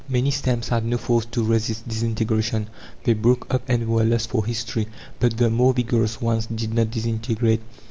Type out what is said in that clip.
Many stems had no force to resist disintegration: they broke up and were lost for history. But the more vigorous ones did not disintegrate.